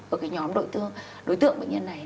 ở cái nhóm đội tượng bệnh nhân này